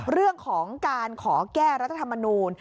เรื่องของการขอแก้รัฐธรรมนูล